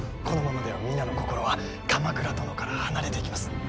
このままでは皆の心は鎌倉殿から離れていきます。